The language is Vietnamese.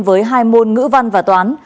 với hai môn ngữ văn và toán